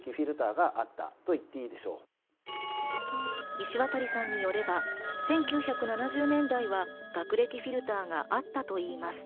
石渡さんによれば、１９７０年代は学歴フィルターがあったといいます。